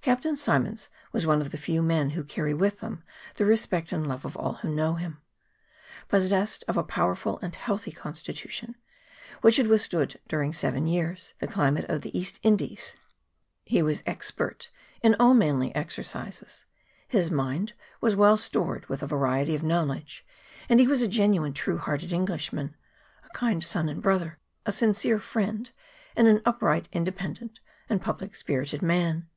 Captain Symonds was one of the few men who carry with them the respect and love of all who know them. Possessed of a pow erful and healthy constitution, which had withstood during seven years the climate of the East Indies, he was expert in all manly exercises, his mind was well stored with a variety of knowledge, and he was a genuine true hearted Englishman, a kind son and brother, a sincere friend, and an upright, independent, and public spirited man.